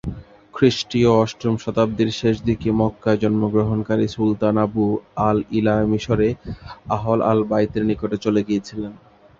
খ্রিস্টীয় অষ্টম শতাব্দীর শেষদিকে মক্কায় জন্মগ্রহণকারী, সুলতান আবু আল-ইলা মিশরে আহল আল-বাইত এর নিকটে চলে গিয়েছিলেন।